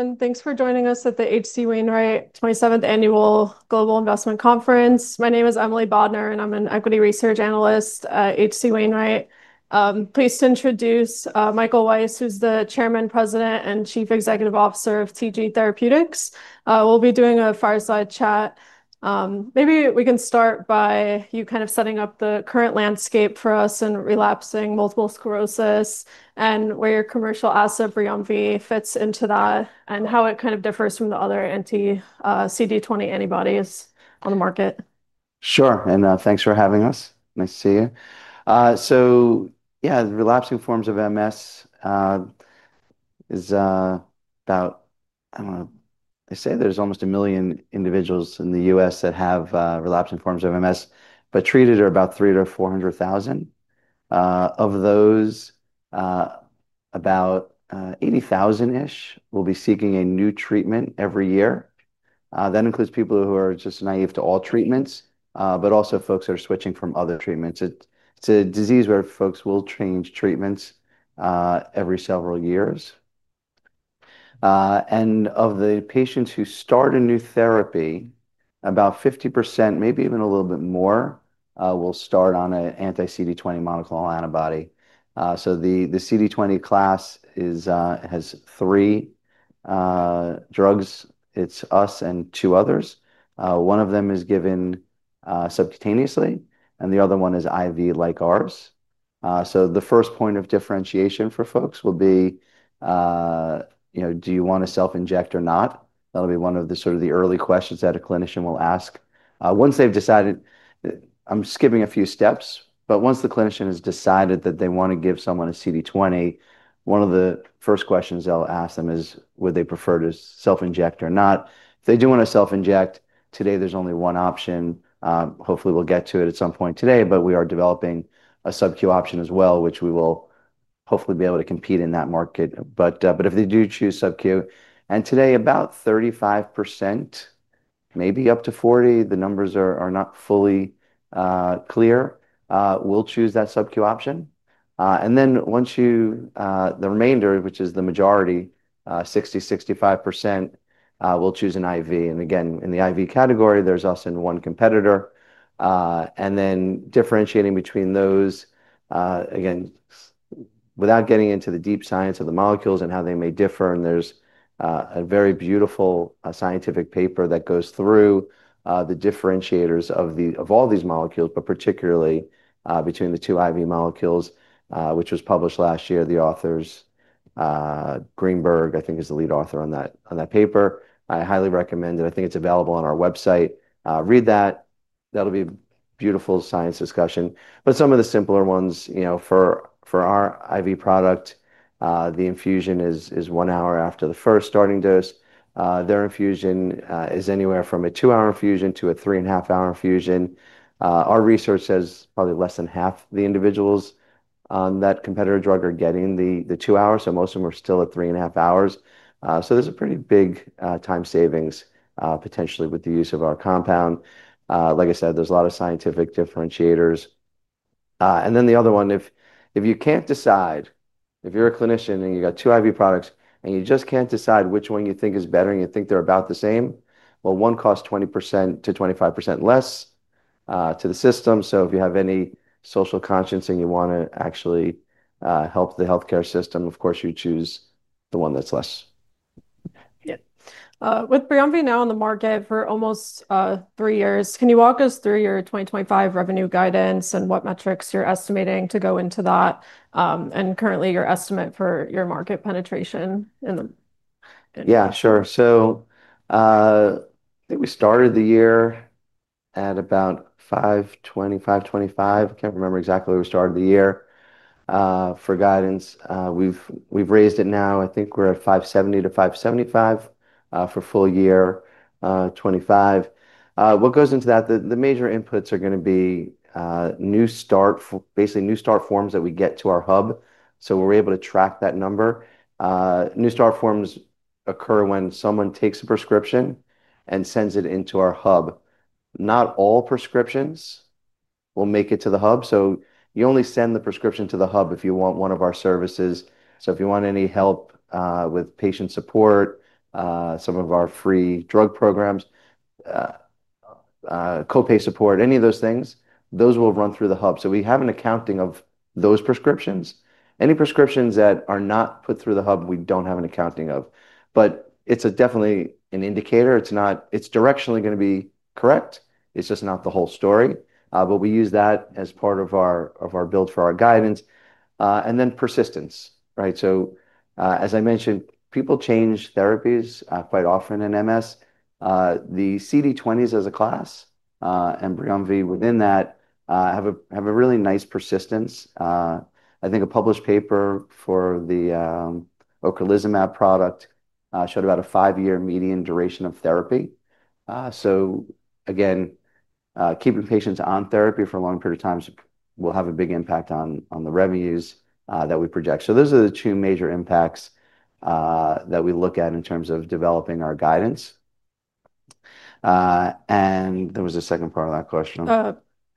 Hi, everyone. Thanks for joining us at the H. C. Wainwright twenty seventh Annual Global Investment Conference. My name is Emily Bodner, and I'm an equity research analyst at H. C. Wainwright. Pleased to introduce, Michael Weiss, who's the chairman, president, and chief executive officer of TG Therapeutics. We'll be doing a fireside chat. Maybe we can start by you kind of setting up the current landscape for us in relapsing multiple sclerosis and where your commercial asset for Reonvi fits into that and how it kind of differs from the other anti, c d twenty antibodies on the market. Sure. And, thanks for having us. Nice to see you. So, yeah, relapsing forms of MS is about I know. They say there's almost a million individuals in The US that have relapsing forms of MS, but treated are about three to four hundred thousand. Of those, about eighty thousand ish will be seeking a new treatment every year. That includes people who are just naive to all treatments, but also folks who are switching from other treatments. It's It's a disease where folks will change treatments, every several years. And of the patients who start a new therapy, about fifty percent, maybe even a little bit more, will start on an anti c d twenty monoclonal antibody. So the the c d 20 class is has three drugs. It's us and two others. One of them is given subcutaneously, and the other one is IV like ours. So the first point of differentiation for folks will be, you know, do you wanna self inject or not? That'll be one of the sort of the early questions that a clinician will ask. Once they've decided I'm skipping a few steps. But once the clinician has decided that they wanna give someone a c d 21 of the first questions they'll ask them is would they prefer to self inject or not. If they do wanna self inject, today, there's only one option. Hopefully, we'll get to it at some point today, but we are developing a subcu option as well, which we will hopefully be able to compete in that market. But but if they do choose subcu and today, about 35%, maybe up to 40, the numbers are are not fully clear, will choose that sub q option. And then once you the remainder, which is the majority, 65%, will choose an IV. And again, in the IV category, there's us in one competitor. And then differentiating between those, again, without getting into the deep science of the molecules and how they may differ, and there's very beautiful scientific paper that goes through the differentiators of all these molecules, but particularly between the two IV molecules, which was published last year. The authors Greenberg, I think, the lead author on that on that paper. I highly recommend it. I think it's available on our website. Read that. That'll be a beautiful science discussion. But some of the simpler ones, you know, for for our IV product, the infusion is is one hour after the first starting dose. Their infusion is anywhere from a two hour infusion to a three and a half hour infusion. Our research says probably less than half the individuals on that competitor drug are getting the two hours, so most of them are still at three point five hours. So there's a pretty big time savings potentially with the use of our compound. Like I said, there's lot of scientific differentiators. And then the other one, if if you can't decide if you're a clinician and you got two IV products and you just can't decide which one you think is better and you think they're about the same, well, one cost 20% to 25 less to the system. So if you have any social conscience and you wanna actually help the health care system, of course, you choose the one that's less. Yep. With Priyomvi now in the market for almost three years, can you walk us through your 2025 revenue guidance and what metrics you're estimating to go into that, and currently your estimate for your market penetration in the Yeah. Sure. So I think we started the year at about 05/20, 05/25. I can't remember exactly where we started the year for guidance. We've raised it now. I think we're at $5.70 to $5.75 for full year '25. What goes into that, the the major inputs are gonna be new start basically, new start forms that we get to our hub so we're able to track that number. New start forms occur when someone takes a prescription and sends it into our hub. Not all prescriptions will make it to the hub, so you only send the prescription to the hub if you want one of our services. So if you want any help with patient support, some of our free drug programs, co pay support, any of those things, those will run through the hub. So we have an accounting of those prescriptions. Any prescriptions that are not put through the hub, we don't have an accounting of. But it's definitely an indicator. It's not it's directionally gonna be correct. It's just not the whole story, but we use that as part of our of our build for our guidance. And then persistence. Right? So as I mentioned, people change therapies quite often in MS. The CD twenties as a class and BRIONVY within that have a have a really nice persistence. I think a published paper for the ocrelizumab product showed about a five year median duration of therapy. So, again, keeping patients on therapy for a long period of time will have a big impact on on the revenues that we project. So those are the two major impacts that we look at in terms of developing our guidance. And there was a second part of that question.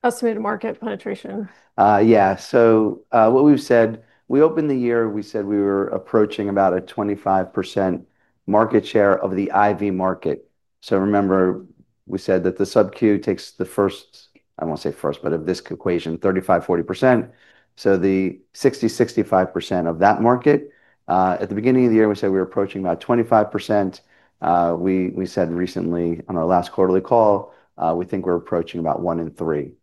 Estimated market penetration. Yeah. So what we've said, we opened the year, we said we were approaching about a 25% market share of the IV market. So remember, we said that the sub q takes the first I won't say first, but of this equation, 35, 40%. So the 65% of that market. At the beginning of the year, we said we're approaching about 25%. We said recently on our last quarterly call, we think we're approaching about one in three.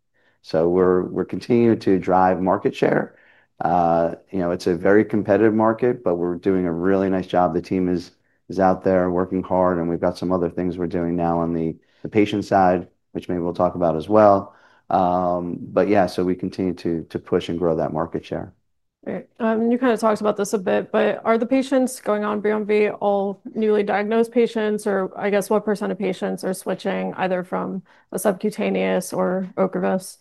So we're continuing to drive market share. It's a very competitive market, but we're doing a really nice job. The team out there working hard, and we've got some other things we're doing now on the patient side, which maybe we'll talk about as well. But, yeah, so we continue to push and grow that market share. Right. You kind of talked about this a bit, but are the patients going on BrionV all newly diagnosed patients? Or, I guess, what percent of patients are switching either from a subcutaneous or OCREVUS?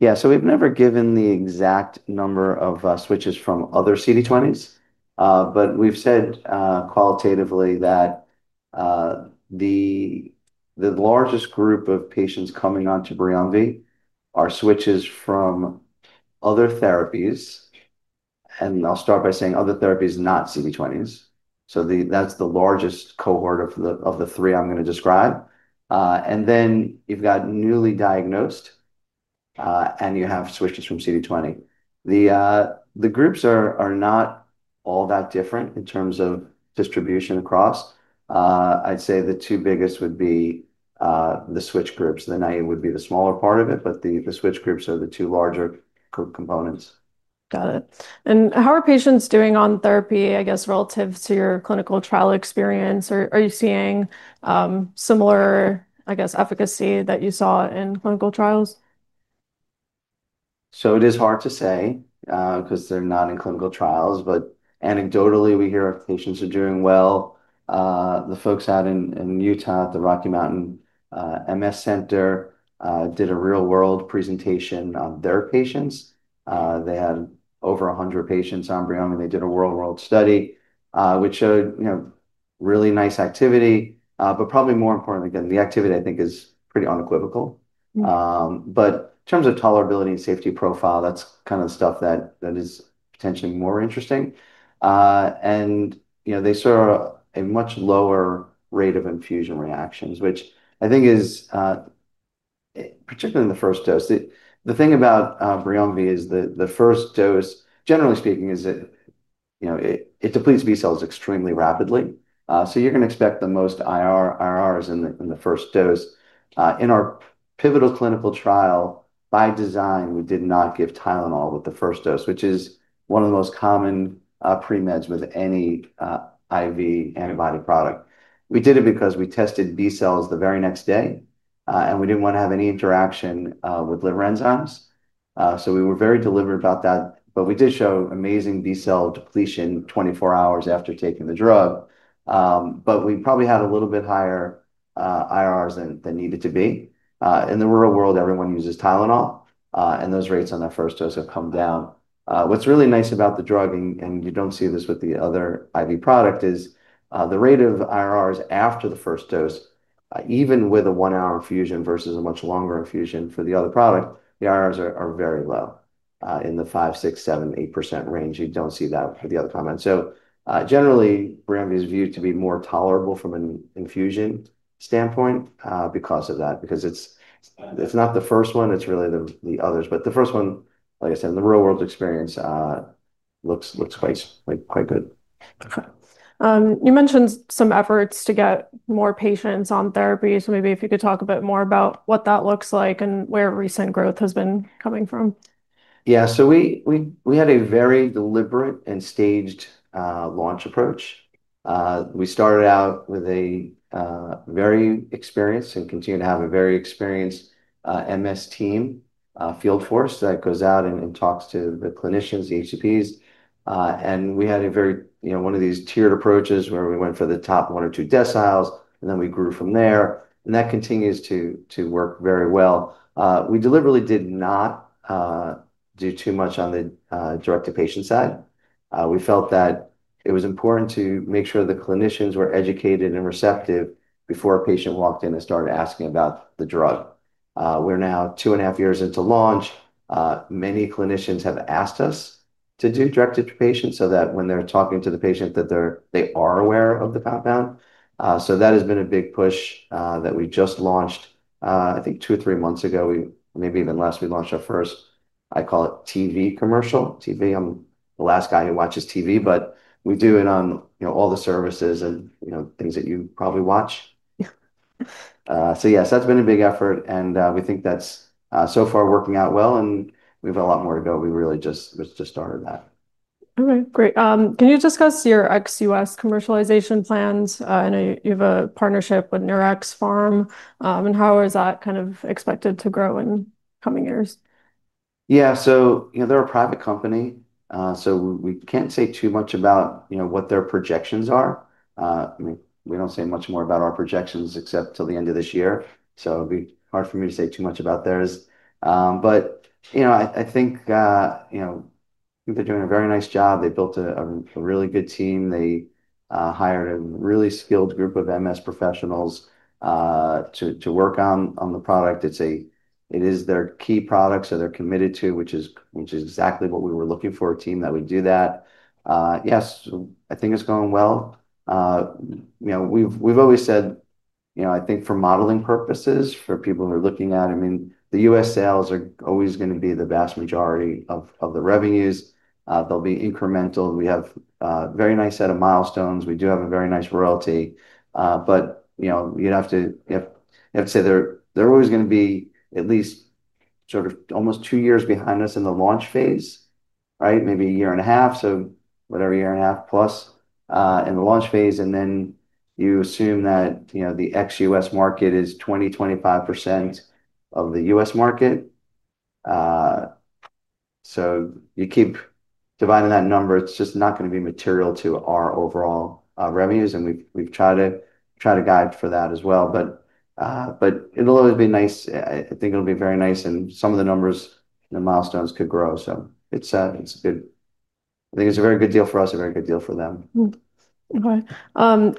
Yeah. So we've never given the exact number of switches from other c d twenties, but we've said qualitatively that the the largest group of patients coming on to BREONVY are switches from other therapies. And I'll start by saying other therapies, not c d twenties. So the that's the largest cohort of the of the three I'm gonna describe. And then you've got newly diagnosed, and you have switches from c d 20. The, the groups are are not all that different in terms of distribution across. I'd say the two biggest would be, the switch groups. The NIA would be the smaller part of it, but the the switch groups are the two larger components. Got it. And how are patients doing on therapy, I guess, relative to your clinical trial experience? Are are you seeing, similar, I guess, efficacy that you saw in clinical trials? So it is hard to say, because they're not in clinical trials. But, anecdotally, we hear our patients are doing well. The folks out in in Utah, the Rocky Mountain, MS Center did a real world presentation of their patients. They had over a 100 patients on Brion, and they did a real world study, which showed, you know, really nice activity. But probably more importantly than the activity, I think, is pretty unequivocal. But in terms of tolerability and safety profile, that's kind of stuff that that is potentially more interesting. And, you know, they serve a much lower rate of infusion reactions, which I think is, particularly in the first dose. The thing about, Vreonvi is the the first dose, generally speaking, is that, you know, it it depletes B cells extremely rapidly. So you're gonna expect the most IRR in the in the first dose. In our pivotal clinical trial, by design, we did not give Tylenol with the first dose, which is one of the most common premeds with any IV antibody product. We did it because we tested B cells the very next day, and we didn't wanna have any interaction with liver enzymes. So we were very deliberate about that, but we did show amazing b cell depletion twenty four hours after taking the drug. But we probably had a little bit higher IRRs than than needed to be. In the real world, everyone uses Tylenol, and those rates on that first dose have come down. What's really nice about the drug, and and you don't see this with the other IV product, is the rate of IRRs after the first dose, even with a one hour infusion versus a much longer infusion for the other product, the IRRs are are very low, in the five, six, 8% range. You don't see that for the other comment. So, generally, Ramvy is viewed to be more tolerable from an infusion standpoint, because of that because it's it's not the first one. It's really the the others. But the first one, like I said, the real world experience, looks looks quite, like, quite good. Okay. You mentioned some efforts to get more patients on therapy. So maybe if you could talk a bit more about what that looks like and where recent growth has been coming from. Yeah. So we we we had a very deliberate and staged launch approach. We started out with a very experienced and continue to have a very experienced MS team field force that goes out and and talks to the clinicians, HCPs. And we had a very one of these tiered approaches where we went for the top one or two deciles, and then we grew from there. And that continues to work very well. We deliberately did not do too much on the direct to patient side. We felt that it was important to make sure the clinicians were educated and receptive before a patient walked in and started asking about the drug. We're now two point five years into launch. Many clinicians have asked us to do directed to patients so that when they're talking to the patient, that they're they are aware of the compound. So that has been a big push that we just launched. I think two or three months ago, we maybe even last, we launched our first, I call it, TV commercial. TV, I'm the last guy who watches TV, but we do it on, you know, all the services and, you know, things that you probably watch. Yeah. So, yes, that's been a big effort, and we think that's so far working out well. And we have a lot more to go. We really just we just started that. Alright. Great. Can you discuss your ex US commercialization plans? I know you have a partnership with Nurax Farm. And how is that kind of expected to grow in coming years? Yeah. So, you know, they're a private company, so we can't say too much about, you know, what their projections are. I mean, we don't say much more about our projections except till the end of this year, so it'd be hard for me to say too much about theirs. But, you know, I I think, you know, they're doing a very nice job. They built a a really good team. They hired a really skilled group of MS professionals to to work on on the product. It's a it is their key products that they're committed to, which is which is exactly what we were looking for, a team that would do that. Yes. I think it's going well. You know, we've we've always said, you I think for modeling purposes, for people who are looking at I mean, The US sales are always gonna be the vast majority of of the revenues. They'll be incremental. We have a very nice set of milestones. We do have a very nice royalty. But, you know, you'd have to you have you have to say they're they're always gonna be at least sort of almost two years behind us in the launch phase. Right? Maybe a year and a half, so whatever year and a half plus in the launch phase, and then you assume that, you know, the ex US market is 25% of The US market. So you keep dividing that number. It's just not gonna be material to our overall revenues, and we've we've tried to try to guide for that as well. But but it'll always be nice. I I think it'll be very nice, and some of the numbers and the milestones could grow. So it's it's good. I think it's a very good deal for us, very good deal for them. Okay.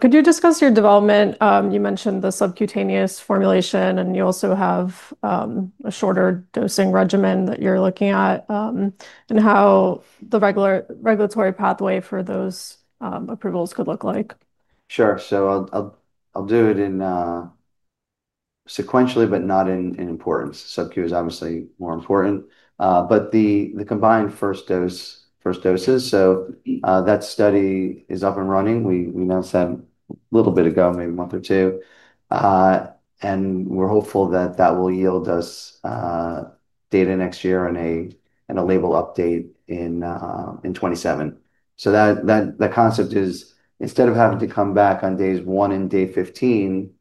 Could you discuss your development? You mentioned the subcutaneous formulation, and you also have, a shorter dosing regimen that you're looking at, and how the regular regulatory pathway for those, approvals could look like. Sure. So I'll I'll I'll do it in sequentially, but not in in importance. Sub q is obviously more important. But the the combined first dose first doses, so that study is up and running. We we announced that a little bit ago, maybe a month or two. And we're hopeful that that will yield us data next year in a in a label update in in '27. So that that the concept is instead of having to come back on days one and day 15,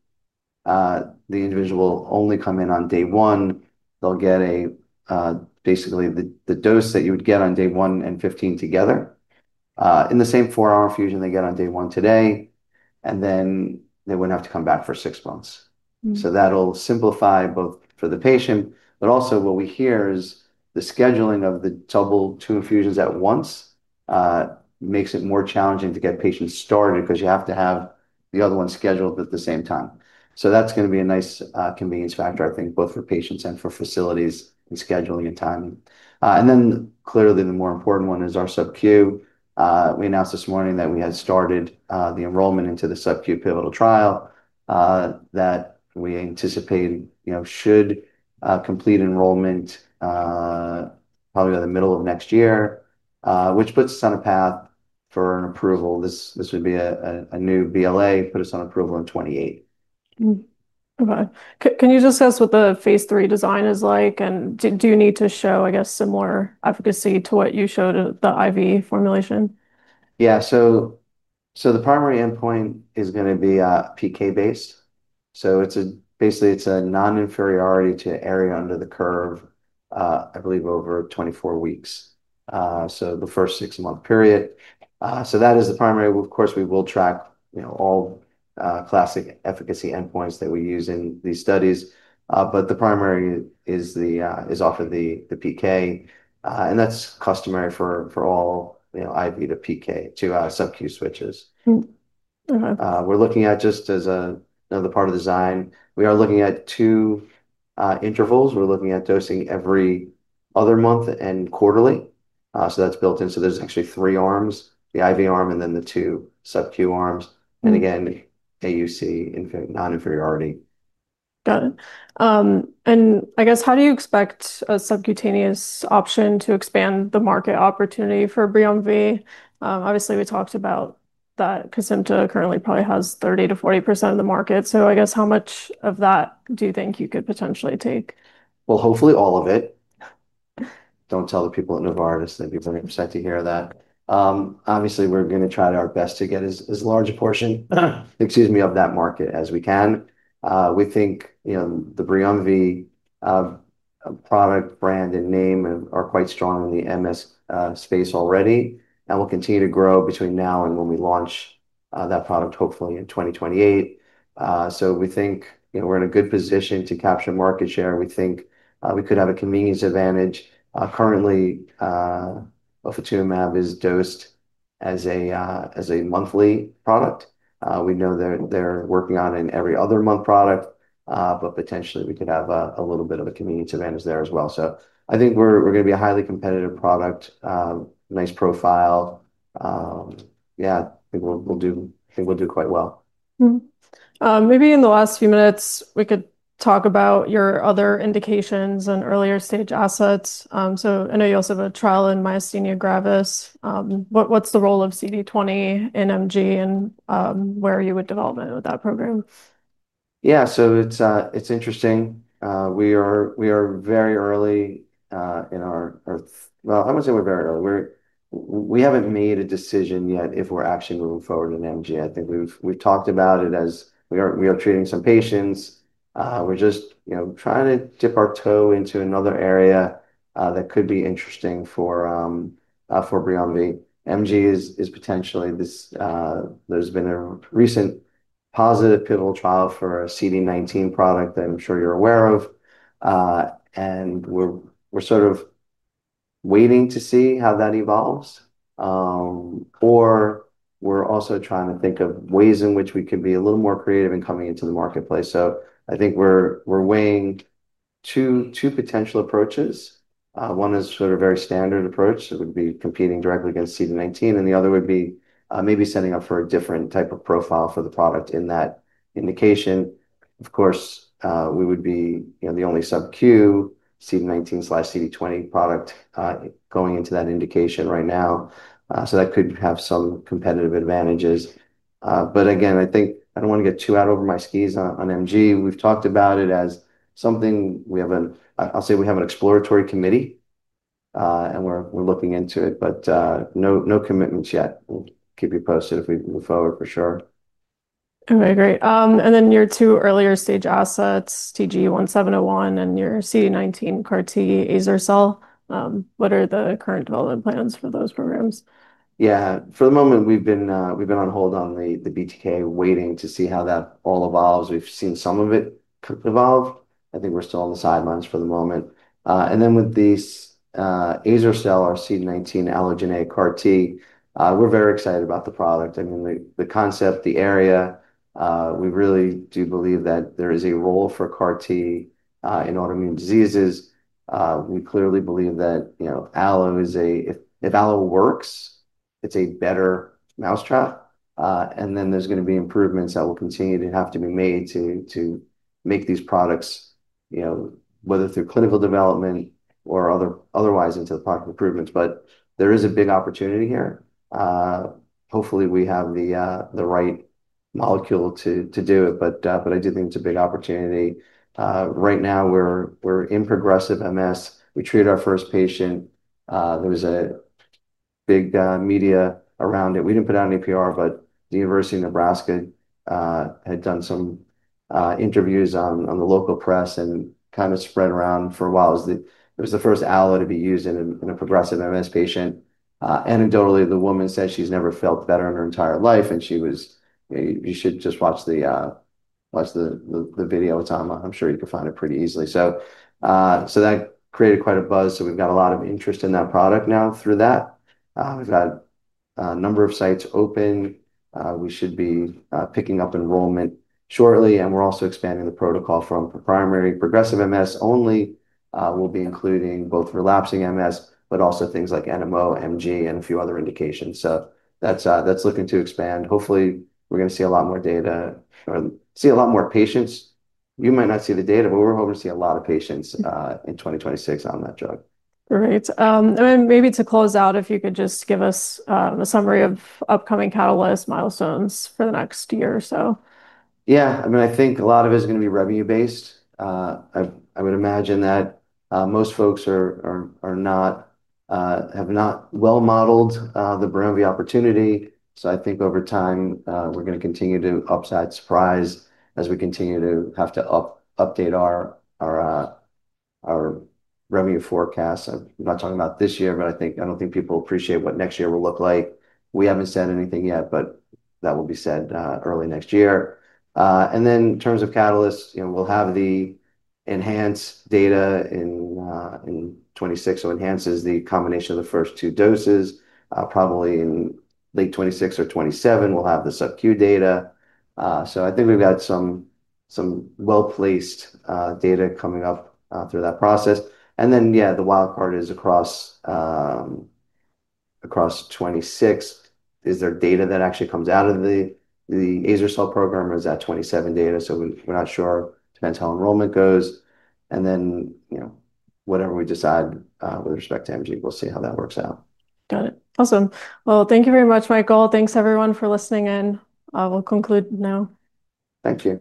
the individual only come in on day one. They'll get a basically, the the dose that you would get on day one and fifteen together in the same four hour infusion they get on day one today, and then they wouldn't have to come back for six months. So that'll simplify both for the patient. But, also, what we hear is the scheduling of the double two infusions at once makes it more challenging to get patients started because you have to have the other one scheduled at the same time. So that's gonna be a nice convenience factor, I think, both for patients and for facilities in scheduling and timing. And then, clearly, the more important one is our subcu. We announced this morning that we had started the enrollment into the subcu pivotal trial that we anticipate should complete enrollment probably by the middle of next year, which puts us on a path for an approval. This this would be a a a new BLA, put us on approval in '28. Okay. Can you just assess what the phase three design is like? And do do you need to show, I guess, similar efficacy to what you showed at the IV formulation? Yeah. So so the primary endpoint is gonna be a PK based. So it's a basically, it's a noninferiority to area under the curve, I believe, over twenty four weeks, so the first six month period. So that is the primary. Of course, we will track, you know, all classic efficacy endpoints that we use in these studies, but the primary is the is often the the PK, and that's customary for for all, you know, IV to PK to sub q switches. Mhmm. We're looking at just as another part of design. We are looking at two intervals. We're looking at dosing every other month and quarterly. So that's built in. So there's actually three arms, the IV arm and then the two sub q arms. And, again, AUC, noninferiority. Got it. And I guess how do you expect a subcutaneous option to expand the market opportunity for Breonvy? Obviously, we talked about that Kesimpta currently probably has 30 to 40% of the market. So I guess how much of that do you think you could potentially take? Well, hopefully, all of it. Don't tell the people in Novartis that people are upset to hear that. Obviously, we're going to try our best to get as large a portion, excuse me, of that market as we can. We think the Breonvi product brand and name are quite strong in the MS space already, and we'll continue to grow between now and when we launch that product, hopefully, in 2028. So we think we're in a good position to capture market share. We think we could have a convenience advantage. Currently, ofatumumab is dosed as a monthly product. We know they're working on it in every other month product, but, potentially, we could have a a little bit of a community advantage there as well. So I think we're we're gonna be a highly competitive product, nice profile. Yeah. I think we'll we'll do I think we'll do quite well. Mhmm. Maybe in the last few minutes, we could talk about your other indications and earlier stage assets. So I know you also have a trial in myasthenia gravis. What what's the role of c d twenty in MG and, where are you with development with that program? Yeah. So it's it's interesting. We are we are very early in our well, I wouldn't say we're very early. We're we haven't made a decision yet if we're actually moving forward in MG. I think we've we've talked about it as we are we are treating some patients. We're just, you know, trying to dip our toe into another area that could be interesting for for Breomni. MG is is potentially this there's been a recent positive pivotal trial for a c d nineteen product that I'm sure you're aware of, and we're we're sort of waiting to see how that evolves, or we're also trying to think of ways in which we could be a little more creative in coming into the marketplace. So I think we're we're weighing two two potential approaches. One is sort of very standard approach. It would be competing directly against c d nineteen, and the other would be maybe setting up for a different type of profile for the product in that indication. Of course, we would be the only subcu CD19CD20 product going into that indication right now. So that could have some competitive advantages. But again, I think I don't want to get too out over my skis on MG. We've talked about it as something we have an I'll say we have an exploratory committee, and we're we're looking into it, but no no commitments yet. We'll keep you posted if we move forward for sure. Okay. Great. And then your two earlier stage assets, t g 1701 and your c 19 CAR T azur cell, What are the current development plans for those programs? Yeah. For the moment, we've been, we've been on hold on the the BTK waiting to see how that all evolves. We've seen some of it evolve. I think we're still on the sidelines for the moment. And then with the AzerCell, our CD19 allogeneic CAR T, we're very excited about the product. I mean the concept, the area, we really do believe that there is a role for CAR T in autoimmune diseases. We clearly believe that, you know, Allo is a if Allo works, it's a better mousetrap, and then there's gonna be improvements that will continue to have to be made to to make these products, whether through clinical development or otherwise, into the product improvements. But there is a big opportunity here. Hopefully, we have the right molecule to do it, but I do think it's a big opportunity. Right now, we're we're in progressive MS. We treated our first patient. There was a big media around it. We didn't put out an APR, but the University of Nebraska had done some interviews on on the local press and kinda spread around for a while. It was the it was the first ally to be used in a in a progressive MS patient. Anecdotally, the woman said she's never felt better in her entire life, and she was you should just watch the watch the the the video. It's on I'm sure you can find it pretty easily. So so that created quite a buzz, so we've got a lot of interest in that product now through that. We've got a number of sites open. We should be picking up enrollment shortly, and we're also expanding the protocol from primary progressive MS only. We'll be including both relapsing MS, but also things like NMO, MG, and a few other indications. So that's that's looking to expand. Hopefully, we're gonna see a lot more data see a lot more patients. You might not see the data, but we're hoping to see a lot of patients, in 2026 on that drug. Right. And then maybe to close out, if you could just give us, a summary of upcoming catalyst milestones for the next year or so. Yeah. I mean, I think a lot of it is gonna be revenue based. I I would imagine that, most folks are are are not, have not well modeled, the Burmbee opportunity. So I think over time, we're gonna continue to upside surprise as we continue to have to up update our our our revenue forecast. I'm not talking about this year, but I think I don't think people appreciate what next year will look like. We haven't said anything yet, but that will be said early next year. And then in terms of Catalyst, we'll have the ENHANCE data in '26. So ENHANCE is the combination of the first two doses. Probably in late twenty six or '27, we'll have the subcu data. So I think we've got some some well placed, data coming up, through that process. And then, yeah, the wild part is across across '26. Is there data that actually comes out of the the azure cell program or is that '27 data? So we're not sure. Depends how enrollment goes. And then, you know, whatever we decide, with respect to MG, we'll see how that works out. Got it. Awesome. Well, thank you very much, Michael. Thanks everyone for listening in. We'll conclude now. Thank you.